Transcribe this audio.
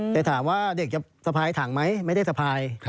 แต่ถามว่าเด็กจะสะพายถังไหมไม่ได้สะพาย